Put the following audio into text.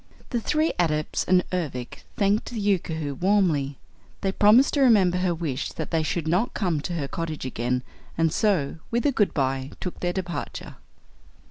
The three Adepts and Ervic thanked the Yookoohoo warmly. They promised to remember her wish that they should not come to her cottage again and so, with a good bye, took their departure.